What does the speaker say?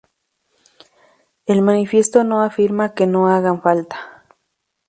El manifiesto no afirma que no hagan falta.